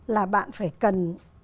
là bạn phải cần